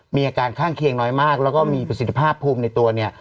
มีอาการข้างเคียงน้อยมากแล้วก็มีประสิทธิภาพภูมิในตัวเนี่ย